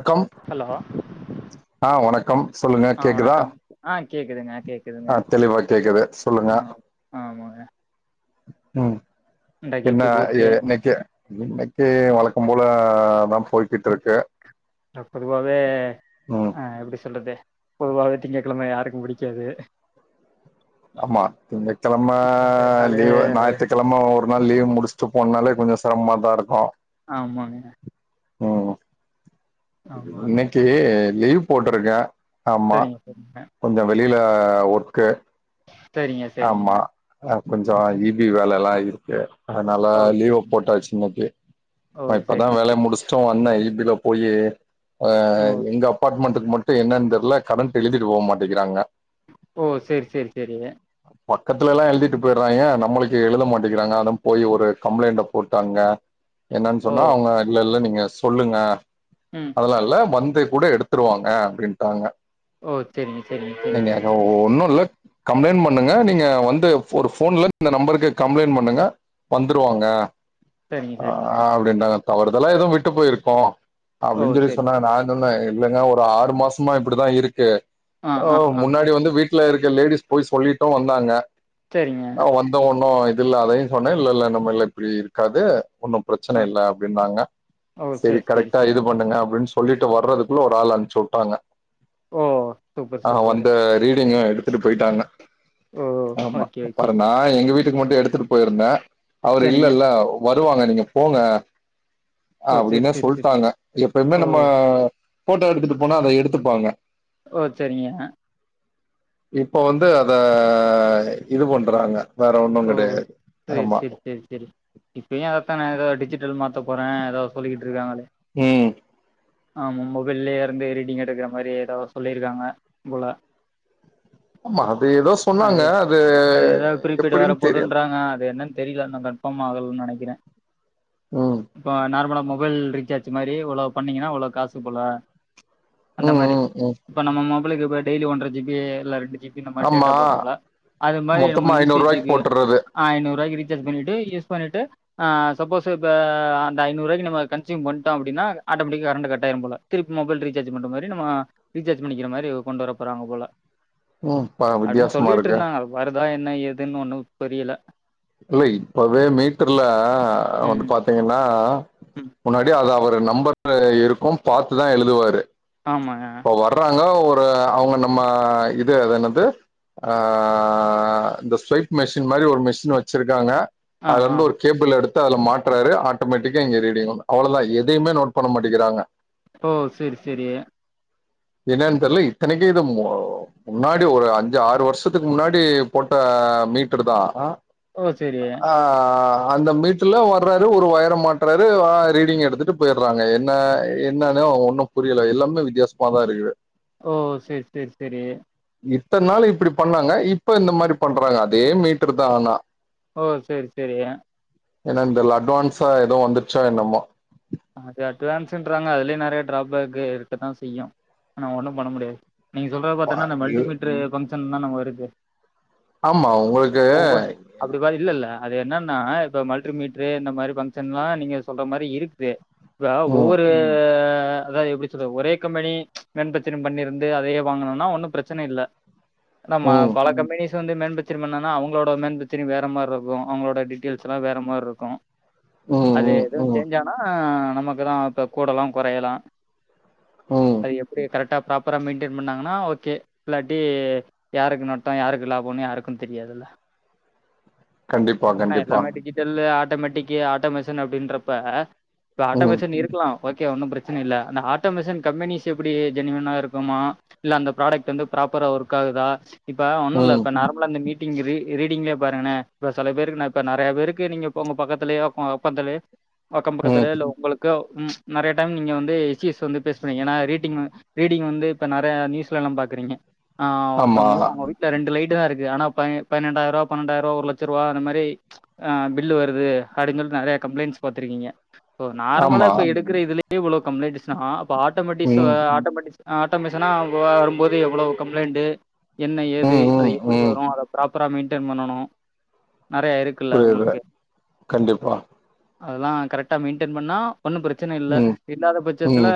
வணக்கம் ஹலோ ஆ வணக்கம் சொல்லுங்க ஆ கேக்குதா வணக்கம் ஆ கேக்குதுங்க கேக்குதுங்க ஆ தெளிவா கேக்குது சொல்லுங்க ம் ஓ ஆமாங்க ம் இன்றைக்கு என்ன எப்டி எ போச்சு இன்னைக்கு இன்னைக்கு வழக்கம் போலதாம் போய்கிட்ருக்கு இல்ல பொதுவாகவே அ எப்டி சொல்றது பொதுவாவே திங்ககெழமை யாருக்கு புடிக்காது ஆமா திங்ககெழமை மண்டே நாளே லீவு நாயித்துக்கெழ ம ஒரு நாள் லீவ் முடுஸ்ட்டு போனாலே கொஞ்சோ செரமமா தா இருக்கு ஆமாங்க ஆமா இன்னக்கி லீவ் போட்ருக்கே ஆமா சரிங்க கொஞ்சோ வெளில ஒர்க்கு சரிங்க சரிங்க ஆமா கொஞ்சோ ஈ பி வேலேல்லா இருக்கு சரிங்க அதுனால ஓ லீவ சரிங்க சரி. போட்டாச்சு இன்னக்கி ஓ நா இப்பதா சரிங்க வேலய சரிங்க முடுஸ்ட்டு வந்தே ஈ பில போய் அ ஓ எங்க அப் அப்பாட்மண்டுக்கு மட்டு என்னான் தெர்ல கரண்ட் எழுதிட்டு போக மாட்டிகிறாங்க ஓ சேர் சேர் சேரி பக்கத்துலேல்லா எழுதிட்டு போயிற்றாய்ங்க நம்மளுக்கு எழுத மாட்டிகிறாங்க அதா போய் ஒரு கம்ளைண்ட்ட போட்டு அங்க என்னான் ஓ சொன்னா அவுங்க இல்லல்ல நீங்க சொல்லுங்க ம் அதலா இல்ல வந்து கூட எடுத்துருவாங்க அப்டின்ட்டாங்க ஓ செரிங்க செரிங்க செரி ஒ ஒன்னு இல்ல கம்ப்ளைண்ட் பண் பண்ணுங்க நீங்க வந்து ஒரு ஃபோன்ல இந்த நம்பருக்கு கம்ளைண் பண்ணுங்க வந்துருவாங்க சரிங்க ஆ சரிங்க அப்டின்டாங்க தவறுதல்லா எது விட்டு போயிருக்கு ஓ அப்டின் சொல்லி சரி சொன்னாங்க நா இல்லல்ல இல்லங்க ஒரு ஆறு மாசமா இப்டிதா இருக்கு ஆ அ ஆ ஆ முன்னாடி வந்து வீட் வீடுல இருக்க லேடிஸு போய் சொல்லிட்டு வந்தாங்க சரிங்க அ வந் ஒன்னு இது இல்ல அதையு சொன்னே இல்லல்ல நம்மல்ல இப்டி இருக்காது ஒண்ணு பிரச்சன ஆ இல்ல அப்டின்னாங்க சரி கரெக்ட்டா இது பண்ணுங்க அப்டின் சொ சொல்லிட்டு வர்றதுக்குள்ள ஒரு ஆள் அன்ப்ச்சு விட்டாங்க ஓ சூப்பர் அ சூப்பரு வந்த ரீடிங்கு எடு த்துட்டு போயிட்டாங்க ஓ ஆமா ஓகே ஓகே அப்பறோ நா எங்க வீட் டுக்கு மட்டு எடுத்துட்டு போயிருந்தே அவர் சரிங்க இல்லல்ல வருவாங்க நீங்க போங்க ஓ சரி அப்டின்னே சரி சரி சொல்ட்டாங்க எப்பயுமே ஓ நம்ம போட்டோ எடுத்துட்டு போனா அத எடுத்துப்பாங்க ஓ செரிங்க இப்ப வந்து அத இது பண்றாங்க வேற ஒண்ணு கெடையாது ஆமா சேர் சேரி இப்பயு அததா நா எதோ டிஜிட்டல் மாத்த போறே ஏதாவது சொல்லிக்கிட்டு இருக்காங்களே ம் ஆமா மொபைல்லயே இருந்து எடிடிங் எடுக்கற மாரி ஏதோ சொல்லிருக்காங்க போல ஆமா அது எதோ சொன்னாங்க அது எப் ன்டு வர போதுன்றாங்க அது என்னன்னு தெரில இன்னு கன்ஃபாம் ஆகலனு நெனைக்கிறே ம் இப்ப நார்மலா மொபைல் ரீசார்ச் மாரி இவ்ளோ பண்ணீங்கன்னா இவ்ளோ காசு போல அந்த ம் மாரி ம் ம் இப்ப நம்ம மொபைலுக்கு இப்ப டெய்லி ஒன்ர ஜி பி இல்ல ரெண்டு ஜி பி இந்த மாரி டேட்டா ஆமா போட்றம்ல அது மாரி நம்ம மொத்தமா இ சி ஐநூறு ஜி ரூபாய்க்கு க்கு போட்டுறது அ ஐநூறு ரூவாய்க்கி ரீசார்ஜ் பண்ணிட்டு யூஸ் பண்ணிட்டு ஆ சப்போஸ் இப்ப அந்த ஐநூறு ரூபாய்க்கு நம்ம கன்ஸ்யூம் பண்டோ அப்டினா ஆட்டோமேட்டிக்கா கரண்ட் கட் ஆயிரு போல திருப்பி மொபைல் ரீசார்ஜ் பண்ற மாரி நம்ம ரீசார்ஜ் பண்ணிக்கிற மாரி கொண்டு வர போறாங்க போல ம் பா அப்டின் வித்தியாசமா சொல்லிட்டு இருக்கு இருந்தாங்க வருதா என்ன ஏதுன் ஒண்ணு புரியல இல்ல இப்பவே மீட்டர்ல வந்து ம் பாத் தீங்கனா ம் முன்னாடி அது அவரு நம்பர்ல இருக்கு பாத்துதா எழுதுவாரு ஆமாங்க இப்ப வர்றாங்க ஒரு அவுங்க நம்ம இது அது என்னது ஆ இந்த ஸ்வைப் மெஷின் மாரி ஒரு மிஷின் வச்சிருக்காங்க ஆ அதுல ஆ இருந்து ஒரு கேபிள் எடுத்து அதல மாற்றாரு ஆட்டோமேட்டிக்கா இங்க ரீடிங் வரூ அவ்ளவுதா எதையுமே நோட் பண்ண மாட்டேங்கிறாங்க ஓ செரி செரி என்னன்னு தெர்ல இத்தனைக்கு இது மோ முன்னாடி ஒரு அஞ்சு ஆறு வருஷத்துக்கு முன்னாடி போட்ட மீட்டர் தா ஓ செரி ஆ அந்த மீட்டர்ல வர்றாரு ஒரு வயர்ர மாட்றாரு ரீடிங் எடுத்துட்டு போய்ட்றாங்க என்ன என்னனே ஒன்னூ புரியல எல்லாமே வித்தியாசமாதா இருக்குது ஓ செர் செர் செரி இத்தன நாள் இப்டி பண்ணாங்க இப்ப இந்த மாதிரி பண்றாங்க அதே மீட்ரு தா ஆனா ஓ செர் செரி என்னோன் தெர்ல அட்வான்ஸா ஏதே வந்துருச்சா என்னமோ அது அட்வான்சுன்றாங்க அதுலயே நறய ட்ராபேக்கு இருக்க தா செய்யூ ஆனா ஒன்னு பண்ண முடியாது நீங்க சொல்றத பாத்தன்னா இந்த மல்டிமீட்ரு பங்க்ஷன் தான இருக்கு ஆமா உங்களுக்கு ஒவ்வொ அப்டி பாத் இல்ல இல்ல அது என்னன்னா இப்ப மல்ட்ரி மீட்ரு இந்த மாரி பங்க்ஷன்ல்லா நீங்க சொல்ற மாரி இருக்தே இப்ப ம் ஒவ்வொரூ அதா எப்டி சொல்றது ஒரே கம்பெனி மேன்போக்ஷர் பண்ணிருந்து அதையே வாங்கணோன்னா ஒன்னு பிரச்சன இல்ல நம்ம ம் பழக்க மேனீஸ் இது வந்து மேன்போக்ச்சரி பண்ணன்னா அவங்களோட மேன்பக்ஷரி வேற மாரி இருக்கோ அவங்களோட டீட்டெய்ல்ஸ்ல்லா வேற மாரி இருக்கோ உ அது எதுவூ சோஞ்சானா நமக்குதா இப்ப கூடலா கொறயலா ம் அது எப்டி கரெக்டா ப்ராப்பரா மெயின்டைன் பண்ணாங்கன்னா ஓகே இல்லாட்டி யாருக்கு நட்டோ யாருக்கு லாபன்னு யாருக்கு தெரியாத்துல்ல கண்டிப்பா ஏன்னா கண்டிப்பா எல்லாமே டிஜிட்டல்லு ஆட்டோமேட்டிக் ஆட்டோமேஷன் அப்டின்றப்ப இப்ப ம் ஆட்டோமேஷன் இருக்கலா ஓகே ஒன்னு பிரச்சன இல்ல அந்த ஆட்டோமேஷன் கம்பெனிஸ் எப்டி ஜெனியூன்னா இருக்குமா இல்ல அந்த ப்ராடக்ட் வந்து ப்ராப்பரா ஒர்க் ஆகுதா இப்ப ஒன்னு இல்ல ம் இப்ப நார்மல அந்த மீட் இங்க ரீ ரீடிங்ளே பாருங்களே இப்ப செல பேருக்கு நா இப்ப நறய பேருக்கு நீங்க உங்க பக்கத்துலயோ அ அக்கத்துலயோ அக்கம் ம் பக்கத்துலயோ இல்ல உங்களுக்கோ ம் நறய டைம் நீங்க வந்து எச் சி எஸ் வந்து ஃபேஸ் பண்ணுவீங் ஏன்னா ரீட்டிங் வந் ரீடிங் வந்து இப்ப நறய நியூஸ்லலா பாக்கறீங்க ‌அ ஆமா ஒருத்தவங்களுக் அவங்க வீட் ரெண்டு லைட்டு தா இருக்கு ஆனா பன்னொ பன்ணென்டாயிர ரூபா பன்ணென்டாயிர ரூபா ஒரு லட்ச ரூபா அந்த மாரி அ பில்லு வருது அப்டின் சொல்லி நறய கம்ப்ளைண்ட்ஸ் பாத்துருக்கீங்க ஸோ நார்மலா ஆமா இப்போ எடுக்கிற இதுலே இவ்ளோ கம்ப்ளைண்ட்டுஸ்னா அப்போ ஆட்டோமேட்டிஸ் ம் ஆட்டோமட்டிஸ் அ ஆட்டோமேஷனா வ வரும்போது எவ்ளோ கம்ப்ளைண்ட்டு என்ன ஏது ம் அது ம் எப்டி ம் வரூ அத ப்ராப் ராப்ரா மெயின்டெயின் பண்ணனோ நெறய இருக்குல்ல புரியுது உங்களுக்கு கண்டிப்பா அதெல்லா கரெக்டா மெயின்டென் பண்ணா ஒன்னு பிரச்சன இல்ல ம் இல்லாத பட்சத்துல ம்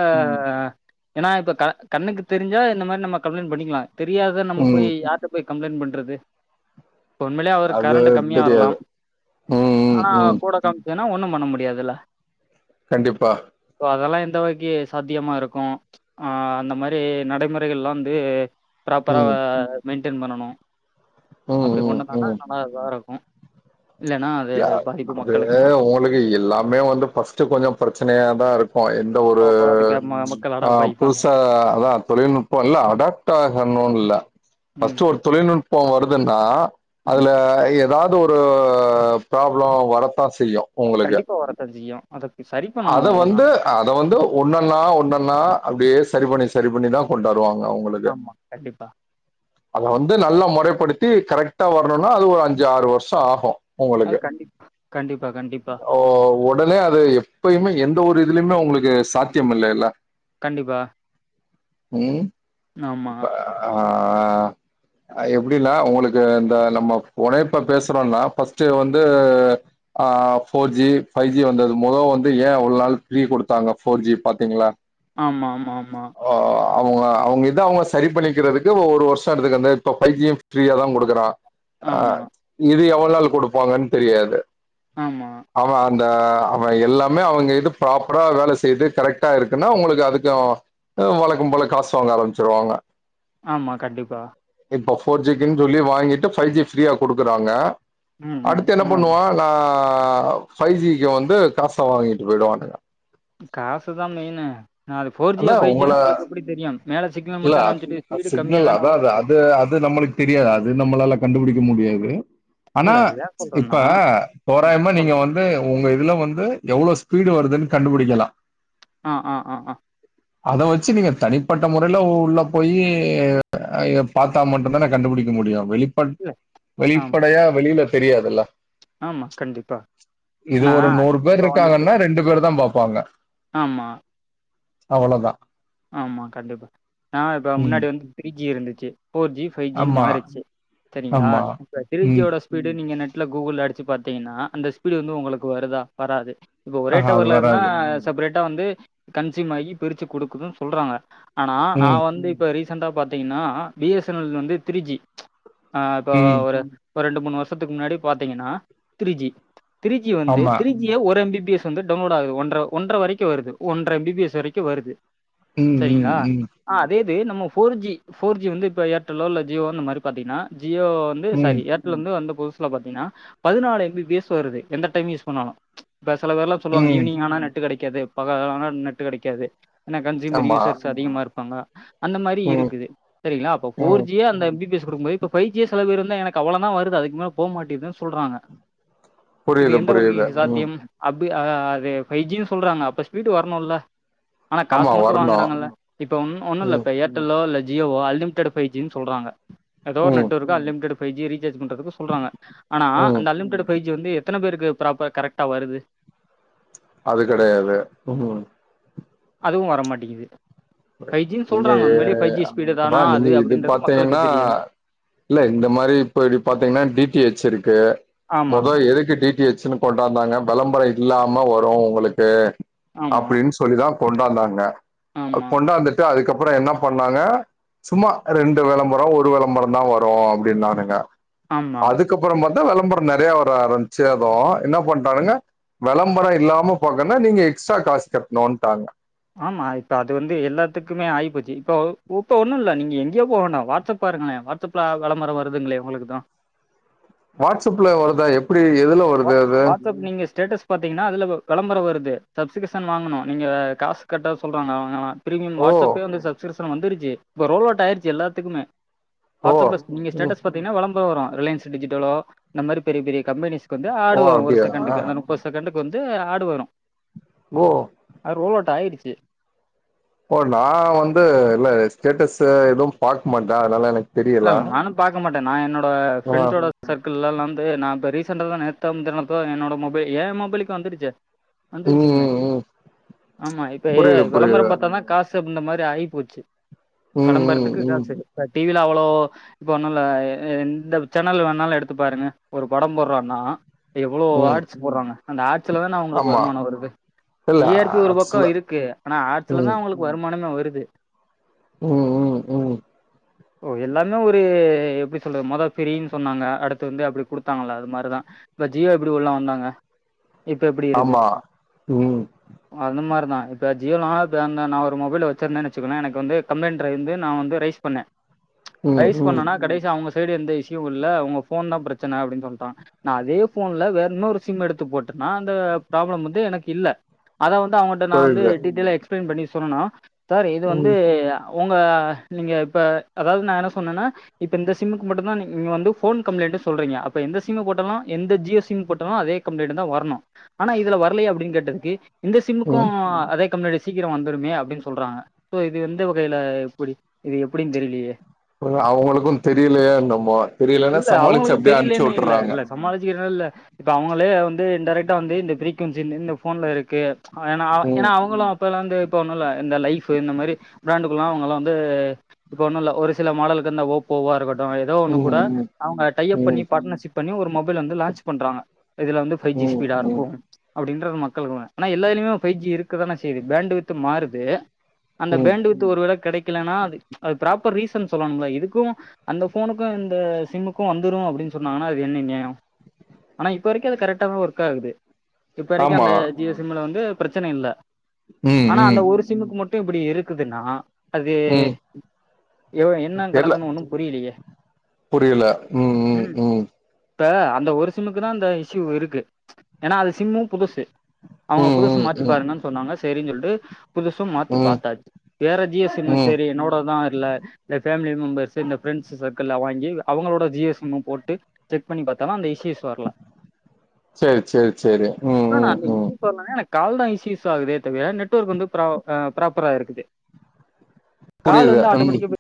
ஏன்னா இப்ப க கண்ணுக்கு தெரிஞ்சா இந்த மாரி நம்ம கம்ப்ளைண்ட் பண்ணிக்கலா தெரியாத நம்ம போய் ம் யார்ட் எங்க போய் கம்ப்ளைண்ட் பண்றது உண்மையிலேயே அவர்க்கு அது கரண்ட் கம்மியா தெரியாது வரலாம் ம் ம் ஆனா ம் கூட கம் ஏன்னா ஒண்ணு பண்ண முடியாதுல்ல கண்டிப்பா ஓ அதெல்லா எந்த வகைக்கி சாத்தியமா இருக்கு ஆ அந்த மாரி நடைமுறைகள்லா வந்து ப்ராப்பரா ம் மெயின்டென் பண்ணணு ம் அப்டி ம் கொண்டுந்தனா ம் நல்லா இருக்கு அது தான். உங்களுக்கு எல்லாமே வந்து ஃபர்ஸ்ட் கொஞ்ச பிரச்சனையா தா இருக்கு எ எந்த ஒரு போக போக அதுக்கு ம ம். மக்கள் அட ஆ பாதிப்பாங்க. புதுசா அதா தொழில்நுட் இப்ப எல்லா அடாப்ட் ஆகணும்னுல்ல ம், ஃபர்ஸ்ட் ஒரு ம். தொழில்நுட்போ வருதுன்னா ம். அதுல ஏதாவது ஒரு ப்ராப்ளோ வரத்தா செய்யு அது உங்களுக்கு கண்டிப்பா வரத்தா செய்யு அதப் சரி அத பண்ணணும் அவ்வளோதான். வந்து அத வந்து ஒன்னன்னா ஒன்னன்னா அப்டியே சரி பண்ணி சரி பண்ணிதா கொண்டுவருவாங்க அவுங் ஆமா கண்டிப்பா அது வந்து நல்லா முறைப்படுத்தி கரெக்டா வரணும்னா அது ஒரு அஞ்சு ஆறு வருஷோ ஆகு அது உங்களுக்கு கண்டி கண்டிப்பா கண்டிப்பா ஓ ஒ உடனே அது எப்யுமே எந்த ஒரு இதுலயுமே உங்களுக்கு சாத்தியம் இல்லைல்ல கண்டிப்பா ம் ஆமா. இப்ப அ ஆ அ எப்டின்னா உங்களுக்கு இந்த நம்ம உணைப்ப பேசுறோனா ஃபஸ் ட்டு வந்து ம். ஆ ஃபோர் ஜி ஃபைவ் ஜி வந்தது மொத வந் இப்ப ஏ அவ்ளோ நாள் ஃப்ரீ குடுத்தாங்க ஃபோர் ஜி பாத்தீங்ளா ஆமா ஆமா ஆமா ஆ அவுங்க அவுங்க இத அவுங்க சரி பண்ணிக்கிறதுக்கு ஒரு வருஷோ எடுத்துக்கு அந்த இப்ப பைஜியும் ஃப்ரீயா தா குடுக்குறா அ ஆமா, இது எவ்ளோ நாள் குடுப்பாங்கன்னு தெரியாது ஆமா அவ அந்த அவ எல்லா மே அவுங்க இது ப்ராப்பரா வேல செய்து கரெக்டா இருக்குன்னா உங்களுக்கு அதுக்கோ அ வழக்கம் போல காசு வாங்க ஆரம்பிச்சிருவாங்க ஆமா கண்டிப்பா இப்ப ஃபோர் ஜிக்குன்னு சொல்லி வாங்கிட்டு ஃபை ஜி ஃப்ரீயா குடுக்குறாங்க ம், ம். அடுத்து என்ன ஆமா. பண்ணுவா நா ஃபைவ் ஜிக்கு வந்து காச வாங்கிட்டு போய்டுவானுங்க காசு தா மெயினு நா அது ஃபோர்ஜியா அதா ஃபை உங்கள ஜியானு உங்களுக்கு எப்டி தெரியு மேல சிக்னல் இல்ல மட்டு காமிச்சிட்டு ஸ்பீடு கம்மியா சிக்னல் தான அதா அது வருது அது அது நம்மளுக்கு தெரியாது அது நம்மளால கண்டுபுடிக்க முடியாது ஆனா இல்ல ஏன் இப்ப சொல்றேன்னா தோராயமா சொல் நீங்க வந்து உங்க இதுல வந்து எவ்ளோ ஸ்பீடு வருதுன்னு கண்டுபுடிக்கலா அ அ அ அ அத வச்சு நீங்க தனிப்பட்ட முறையில உள்ள போயி எ பாத்தா மட்டு அப்பத்தான கண்டு பிடிக்க முடியோ வெளிப்பட் இல்ல. ஆமா, வெளிப்படையா வெளியில தெரியாதுல்ல ஆமா. கண்டிப்பா. இது ஏன்னா, ஒரு ம். நூறு பேர் இப்ப வந்துட்டு இருக்காங்கன்னா ரெண்டு பேர் தா பாப்பாங்க ஆமா அவ்ளோதா ஆமா கண்டிப்பா நா இப்போ ம். முன்னாடி வந்து த்ரீ ஜி இருந்துச்சி ஃபோர்ஜி ஃபைஜின்னு ஆமா. மாறிச்சு சரிங்ளா ஆமா. இப்ப ம். த்ரீஜியோட ஸ் பீடு நீங்க நெட்ல கூகுள்ள அடிச்சு பாத்தீங்கன்னா அந்த ஸ்பீடு வந்து உங்களுக்கு வருதா வராது இப்ப ஒரே ஆஹா அது ட்டவர்ல இருந்தா வராது. செப்பரேட்டா வந்து கன்சியூம் ஆகி பிரிச்சு குடுக்குதுன்னு சொல்றாங்க ஆனா நா ம். வந்து இப்போ ரீசெண்டா பாத்தீங்கன்னா பி எஸ் என் எல் வந்து த்ரிஜி ஆ இப்போ ம். ஒரு ஒரு ரெண்டு மூணு வருஷத்துக்கு முன்னாடி பார்த்தீங்கண்ணா த்ரு ஜி த்ரீ ஜி வந்து ஆமா. த்ரீ ஜியே ஒரு எம் பி பி எஸ் வந்து டவுன்லோட் ஆக ஒன்ற ஒன்ற வரைக்கும் வருது ஒன்ற எம் பி பி எஸ் வரைக்கும் வருது ம். ம். சரிங்ளா ம். ஆ அதே இது நம்ம ஃபோர் ஜி ஃபோர் ஜி வந்து இப்ப ஏர்டெல்லோ இல்ல ஜியோவோ இந்த மாரி பாத்தீங்ன்னா ஜியோ வந் வந்து ம். சாரி ஏர்டெல் வந்து வந்த புதுசுல பாத்தீங்ன்னா பதினாறு எம் பி பி எஸ் வருது எந்த டைம் யூஸ் பண்ணாலு இப்ப செல பேர்லா சொல்வாங்க ம். ஈவ்னிங் ஆனா நெட்டு கெடைக்காது பகலானா நெட்டு கெடைக்காது கன்சியுமர் ஆமா. யூசர்ஸ் அதிகமா இருப்பாங்க அந்த மாரி ம். இருக்குது சரிங்ளா அப்ப ஃபோர் ம். ஜியே அந்த எம் பி பி எஸ் குடுக்கும்போது இப்போ ஃபை ஜியே செல பேர் வந்து எனக்கு அவளோ தா வருது அதுக்கு மேல போ மாட்டிகுதா சொல்றாங்க இது புரியுது, எந்த வகை புரியுது. ம். சாத்தியம் அப்டி அ அது ஃபை ஜினு சொல்றாங்க அப்ப ஸ்பீடு வரனோல்ல ஆனா காசு ஆமா மட்டு வரணும். வாங்கறாங்கல்ல இப்பம் ஒன்னு இல்ல ம். ஏர்ட்டெல்லோ இல்ல ஜியோவோ அன்லிமிடட் ஃபை ஜினு சொல்றாங்க ஏதோ ஒரு ம் நெட்வொர்க் அன்லிமிடட் ஃபைஜிய ரீசார்ஜ் பண்றதுக்கு சொல்றாங்க ஆனா ம் அந்த அன்லிமிடட் ஃபைஜி வந்து எத்தனப் பேருக்கு ப்ராப்பர் கரெக்டா வருது அது கெடையாது உம் அதுவு வரமாட்டிகுது ஃபைஜின்னு நீங்க சொல்றாங்க உண்மையிலே ஃபைஜி ஸ்பீடு அப்பா தானா அது நீங்க இது அப்டின்றது மக்களுக்கு பாத்தீங்கன்னா தெரியாது இல்ல இந்த மாரி இப்போ இப்டி பாத்தீங்ன்னா டி டி எச் இருக்கு மொதோ ஆமாங்க எதுக்கு டி டி எச்ன்னு போட்டார்ந்தாங்க விளம்பரம் இல்லாம வரும் உங்களுக்கு அப்படின்னு சொ சொல்லிதான் கொண்டாந்தாங்க ஆ அ கொண்டாந்துட்டு அதுக்கப்புறம் என்ன பண்ணாங்க சும்மா ரெண்டு விளம்பரம் ஒரு விளம்பரம் தான் வரும் அப்படின்னு நானுங்க ஆமா அதுக் கப்புறம் பாத்தா விளம்பரம் நிறைய வர ஆரம்பிச்சேதோ என்ன பண்டானுங்க விளம்பரம் இல்லாம பாக்கனா நீங்க எக்ஸ்ட்ரா காசு கட்டணும்ட்டாங்க ஆமா இப்ப அது வந்து எல்லாத்துக்குமே ஆயிப்போச்சு இப்ப இப்ப ஒன்னும் இல்ல நீ எங்கயோ போவேனா வாட்ஸ்அப் பாருங்களே வாட்ஸ்அப்ல விளபரம் வருதுங்களே உங்களுக்கு தான் வாட்ஸ்அப்ல வருதா எப்டி எதுல வா வருது அது வாட்ஸ்அப் நீங்க ஸ்டேட்டஸ் பாத்தீங்கன்னா அதுல விளம்பரம் வருது சப்ஸ்கிப்ஷன் வாங்கணும் நீங்க காசு கட்ட சொல்றாங்க வாங்குனா பிரீமியம் ஓ வாட்ஸ்அப்பே வந்து சப்ஸ்கிரிப்ஷன் வந்துருச்சு இப்ப ரோல் அவுட் ஆயிருச்சு எல்லாத்துக்குே ஓ வாட்ஸ்அப்ல நீங்க ம் ஸ்டேட்டஸ் பாத்தீங்கன்னா விளம்பரொ வரும் ரிலையன்ஸ் டிஜிட்டலோ இந்த மாரி பெரிய பெரிய கம்பெனிஸ் வந்து ஆடு ஓ வரும் ஒரு அப்டியா செகண்டுக்கு அந்த முப்பது செகண்டுக்கு வந்து ஆடு வரும் ஓ அது ரோளௌட் ஆய்டுச்சு ஓ நா வந்து இல்ல ஸ்டேட்டஸ் எதுவும் பாக்க மாட்டேன் அதனால எனக்கு இல்ல தெரியல நானும் பாக்க மாட்டேன் நா என்னோட ஆ ஃப்ரெண்டோட சர்க்கிள்லல்லாம் வந்து நா இப்ப ரீசன்ண்டா தா நேத்தோ முந்தா நேத்தோ என்னோட மொபைல் ஏன் மொபைலுக்கு வந்துடுச்சே ம் வந்துருச்சிங்களே ம் ம் ஆமா இப்ப ஏ புரியுது புரியுது வெளம்பரம் பாத்தா தா காஸ் சு அப்படின்ற மாரி ஆகி போச்சு ம் ம் வெளம்பறதுக்கு ம் காசு டிவி ல்ல அவ்வளோ இப்ப ஒண்ணும் இ எந்த சேனல் வேணாலும் எடுத்து பாருங்க ஒரு படம் போடுறான்னா எவ்வொளோ ம் ஆட்ஸ் போடுறாங்க அந்த ஆட்ஸ்ல தான அவுங்களுக்கு ஆமா வருமானோ வருது இல்ல டி ஆர் பி ஒரு பக்கம் ஆக்சுவலா இருக்கு ஆனா ஆட்ஸ்ல தா ம் அவுங்களுக்கு வருமானமே வருது உம் உம் உம் ஓ எல்லாமே ஒரு எப்படி சொல்றது மொதல் ஃபிரின்னு சொன்னாங்க அடுத்து வந்து அப்டி குடுத்தாங்கள அது மாரிதா இப்ப ஜியோ எப்டி உள்ள வந்தாங்க இப்ப எப்டி இருக்கு ஆமா ம் அந்த மாரி தா இப்ப ஜியோ லா எனக்கு ஒரு மொபைல் வச்சுருந்தேன் வச்சுக்கோங்கலேன் எனக்கு வந்து கம்பைண்டர வந்து நா வந்து ரெய்ஸ் பண்ணே ம் ரைஸ் ம் பண்ணேன்னா கடைசி அவுங்க சைடு எந்த இஷ்யூம் இல்ல உங்க ஃபோன் தா பிரச்சன அப்டின் சொல்ட்டாங்க நா அதே ஃபோன்ல வேற இன்னொரு சிம் எடுத்து போட்டேன்னா அந்த ப்ராப்ளம் வந்து எனக்கு இல்ல அத வந்து அவுங்கள்ட நா வந்து புரியுது டீட்டெயலா எக்ஸ்பிளைன் பண்ணி சொன்னனா சார் இது வந்து ம் உங்க நீங்க இப்ப அதாவது நான் என்ன சொன்னேன்னா இப்ப இந்த சிம்க்கு மட்டும் தான் நீங்க வந்து போன் கம்ளைண்ட் சொல்றீங்க அப்ப எந்த சிம் போட்டாலும் எந்த ஜியோ சிம் போட்டாலும் அதே கம்ளைண்ட் தான் வரணும் ஆனா இதுல வரலையே அப்டின்னு கேட்டதுக்கு இந்த சிம்முக்கும் ம் அதே கம்பெனிய சீக்கிரோம் வந்துடுமே அப்டின்னு சொல்றாங்க சோ இது எந்த வகையில எப்டி இது எப்படின்னுக்ஷ தெரியலையே அவுங்களுக்கும் தெரியலையே என்னமோ தெரியலன்னா சமாளிச்சு அப்டியே அனுப்ச்சு விட்றாங்க சமாளிக்கிறிறது இல்ல இப்போ அவுங்களே வந்து டேரெக்டாக வந்து இந்த ஃப்ரீக்குவன்சி இந்த ஃபோன்ல இருக்குது அதுனால ஏன்னா ம் அவுங்களும் இப்போல்லாம் வந்து இப்போ ஒன்னு இல்ல இந்த லைஃப் இந்த மாரி பிராண்டுக்குலாம் அவுங்கலாம் வந்து இப்போ ஒன்னும் இல்ல ஒரு சில மாடலுக்குந்த ஓப்போவா இருக்கட்டும் ஏதோ ஒண்ணு கூட ம் ம் அவுங்க டை அப் பண்ணி ம் பார்ட்னர்ஷிப் பண்ணி ஒரு மொபைல் வந்து லான்ச் பண்றாங்க இது வந்துஃபைவ் ஜி ம் ஸ்பீடா ம் இருக்கும் அப்டின்றது மக்களுக்கு ஆனா எல்லாலயுமே ஃவைவ் ஜி இருக்குதான செய்து பிராண்டு வித்து மாறுது அந்த ம் பேண்டு வித்து ஒரு வேள கெடைக்கலன்னா அது அது ப்ராப்பர் ரீசன் சொல்லணும்ளா இதுக்கும் அந்த போனுக்கும் இந்த சிம்முக்கும் வந்துரும் அப்டின்னு சொன்னாங்கன்னா அது என்ன நியாயம் ஆனா இப்ப வரைக்கும் அது கரக்டா தா ஒர்க் ஆகுது இப்ப வரைக்கும் ஆமா அந்த ஜியோ சிம்ல வந்து பிரச்சன இல்ல ம் ஆனா ம் அந்த ஒரு சிமுக்கு மட்டும் மட்டும் இப்டி இருக்குதுன்னா அது ம் யோ என்ன தெர்ல கணக்கணு ஒன்னும் புரியலையே புரியல ம் ம் உம் ம் இப்ப அந்த ஒரு சிம்முக்கு தான் அந்த இஸ்யூ இருக்கு ஏன்னா அது சிம்மும் புதுசு அவுங்க புதுசு ம் மாத்தி ம் பாருங்கன்னு சொன்னாங்க சேரின் சொல்ட்டு புதுசும் ம் மாத்தி ம் பாத்தாச்சு வேற ஜியோ சிம் ம் சேரி என்னோடுதா இல்ல இந்த ஃபேமலி மெம்பர்ஸ் இந்த ஃப்ரெண்ட்ஸ் சர்கிள்ல வாங்கி அவுங்களோட ஜியோ சிம் போட்டு செக் பண்ணி பாத்தாலும் அந்த இஷ்யூஸ் வரலாம் சேரி சேரி சேரி உம் இன்னொன்று உம் அந்த உம் இஷ்யூஸ் வரலன்னா எனக்கு கால் தா இஷ்யூஸ் ஆகுதே தவிர நெட்ஒர்க் வந்து ப்ரா ப்ராப்பரா இருக்குது கால் புரியுது வந்து உம் ஆட்டோமேட்டிக்காக